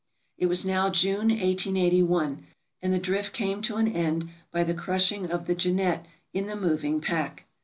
It was now June, 1881, and the drift came to an end by the crushing of the "Jeannette" in the moving pack.